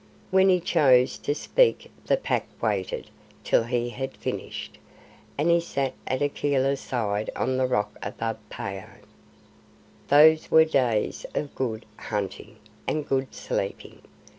When he chose to speak the Pack waited till he had finished, and he sat at Akela's side on the rock above Phao. Those were days of good hunting and good sleeping.